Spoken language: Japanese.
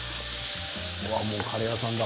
もうカレー屋さんだ。